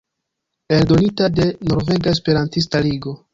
Eldonita de Norvega Esperantista Ligo.